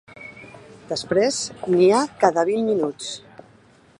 Després n'hi ha cada vint minuts.